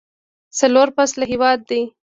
څلور فصله هیواد دی.